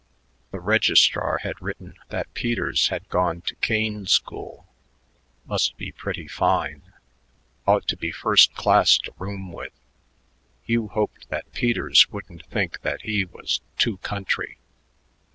The registrar had written that Peters had gone to Kane School.... Must be pretty fine. Ought to be first class to room with.... Hugh hoped that Peters wouldn't think that he was too country....